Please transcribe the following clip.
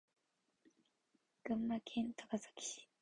群馬県高崎市